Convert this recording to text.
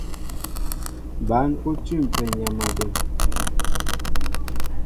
Bǎn ó tʉ̂mpɛ nyam a dəŋ.